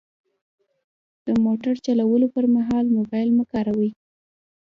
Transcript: د موټر چلولو پر مهال موبایل مه کاروئ.